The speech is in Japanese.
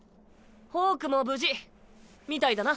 ホークも無事みたいだな。